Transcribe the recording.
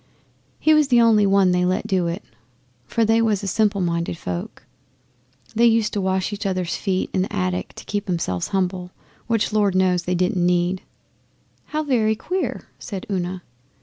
He was the only one they let do it, for they was a simple minded folk. They used to wash each other's feet up in the attic to keep 'emselves humble: which Lord knows they didn't need.' 'How very queer!' said Una.